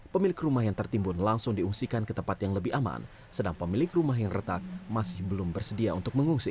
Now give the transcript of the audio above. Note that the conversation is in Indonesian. pemilik rumah yang tertimbun langsung diungsikan ke tempat yang lebih aman sedang pemilik rumah yang retak masih belum bersedia untuk mengungsi